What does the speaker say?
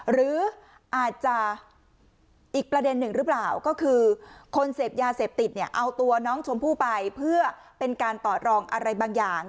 หรืออาจจะอีกประเด็นหนึ่งหรือเปล่าก็คือคนเสพยาเสพติดเนี่ยเอาตัวน้องชมพู่ไปเพื่อเป็นการต่อรองอะไรบางอย่าง